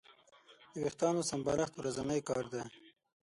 د وېښتیانو سمبالښت ورځنی کار دی.